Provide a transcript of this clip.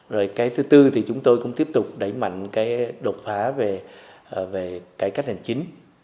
rồi thứ tư thì chúng tôi cũng tiếp tục đẩy mạnh đột phá về cải cách hành chính